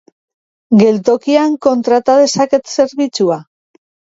Geltokian kontrata dezaket zerbitzua?